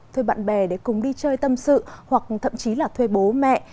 thuê bạn bè để cùng đi chơi tâm sự hoặc thậm chí là thuê bố mẹ